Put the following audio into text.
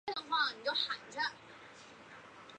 比如手部在初级体感皮层中的代表区域比背部的大。